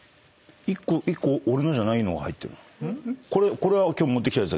これは今日持ってきたやつ。